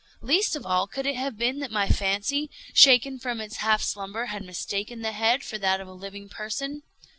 Least of all, could it have been that my fancy, shaken from its half slumber, had mistaken the head for that of a living person.